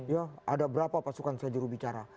ya ada berapa pasukan saya jurubicara